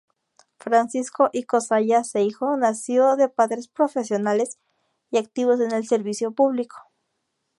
Francisco "Ico" Zayas Seijo nació de padres profesionales y activos en el servicio público.